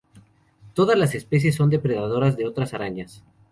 Todas las especies son depredadoras de otras arañas.